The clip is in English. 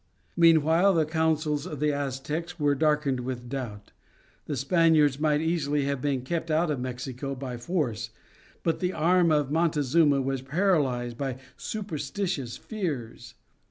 Meanwhile the counsels of the Aztecs were darkened with doubt. The Spaniards might easily have been kept out of Mexico by force, but the arm of Montezuma was paralyzed by superstitious fears.